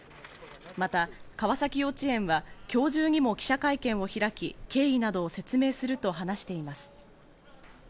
また川崎幼稚園は今日中にも記者会見を開き、経緯などを説明すると話しています。